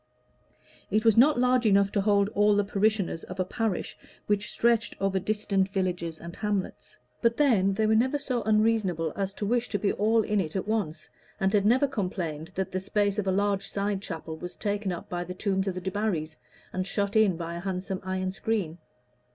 It was not large enough to hold all the parishioners of a parish which stretched over distant villages and hamlets; but then they were never so unreasonable as to wish to be all in at once, and had never complained that the space of a large side chapel was taken up by the tombs of the Debarrys, and shut in by a handsome iron screen.